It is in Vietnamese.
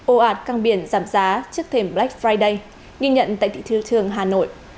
ô ạt căng biển giảm giá trước thềm black friday nghi nhận tại thị trường hà nội